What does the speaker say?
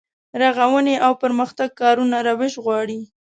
رغونې او پرمختګ کارونه روش غواړي.